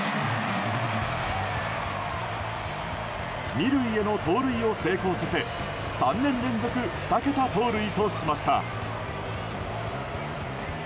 ２塁への盗塁を成功させ３年連続２桁盗塁としました。